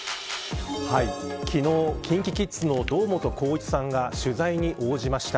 昨日、ＫｉｎＫｉＫｉｄｓの堂本光一さんが取材に応じました。